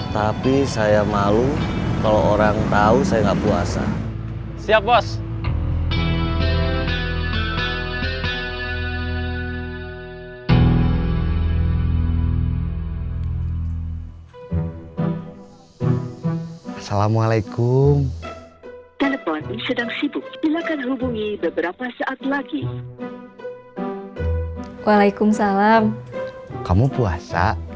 tapi saya malu kalau orang tahu saya nggak puasa